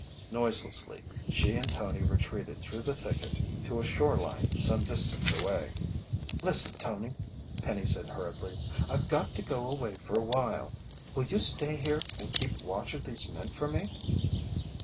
Noiselessly, she and Tony retreated through the thicket to a shoreline some distance away. "Listen, Tony!" Penny said hurriedly. "I've got to go away for awhile! Will you stay here and keep watch of these men for me?"